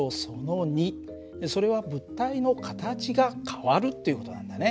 それは物体の形が変わるという事なんだね。